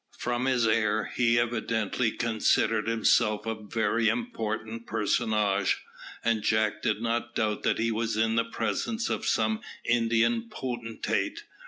From his air he evidently considered himself a very important personage, and Jack did not doubt that he was in the presence of some Indian potentate.